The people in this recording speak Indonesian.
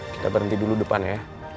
kita berhenti dulu depan ya